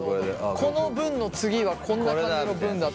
この文の次はこんな感じの文だ。